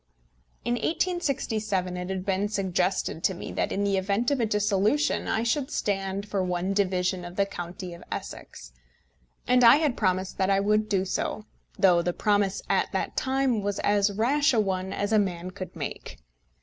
In 1867 it had been suggested to me that, in the event of a dissolution, I should stand for one division of the county of Essex; and I had promised that I would do so, though the promise at that time was as rash a one as a man could make.